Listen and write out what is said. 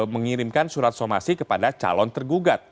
mengirimkan surat somasi kepada calon tergugat